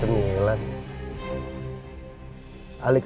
bapak sudah neues enjoyed